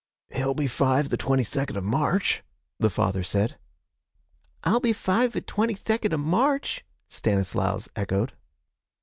'He'll be five the twenty second of March,' the father said. 'I'll be five ve twenty second of March,' Stanislaus echoed.